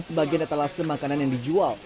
sebagian etalase makanan yang dijual